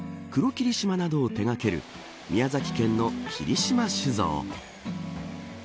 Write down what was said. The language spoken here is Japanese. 黒霧島などを手掛ける宮崎県の霧島酒造。